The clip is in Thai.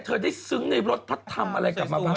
เธอได้ซึ้งในรถพระธรรมอะไรกลับมาบ้าง